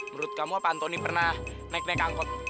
menurut kamu pak antoni pernah naik naik angkot